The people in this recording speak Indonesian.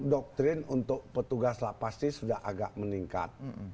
doktrin untuk petugas lah pasti sudah agak meningkat